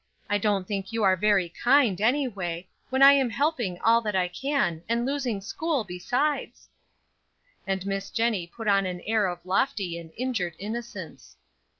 I don't think you are very kind, anyway, when I am helping all that I can, and losing school besides." And Miss Jennie put on an air of lofty and injured innocence.